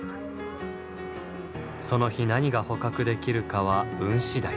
その日何が捕獲できるかは運次第。